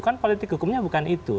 kan politik hukumnya bukan itu